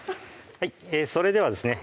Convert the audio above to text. それではですね